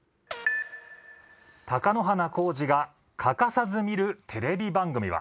貴乃花光司が欠かさず見るテレビ番組は？